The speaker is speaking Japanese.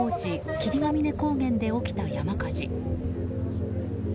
霧ヶ峰高原で起きた山火事。